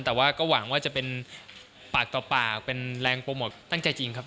แต่ว่าก็หวังว่าจะเป็นปากต่อปากเป็นแรงโปรโมทตั้งใจจริงครับ